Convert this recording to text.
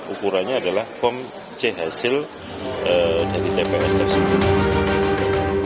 ukurannya adalah form c hasil dari tps tersebut